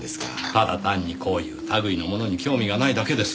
ただ単にこういう類いのものに興味がないだけです。